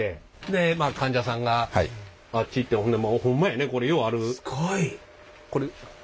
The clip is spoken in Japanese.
でまあ患者さんがあっち行ってほんでホンマやねこれようある。